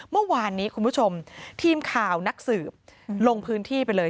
เมื่อวานนี้คุณผู้ชมทีมข่าวนักสืบลงพื้นที่ไปเลย